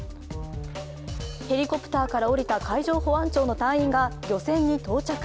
ヘリコプターから降りた海上保安庁の隊員が漁船に到着。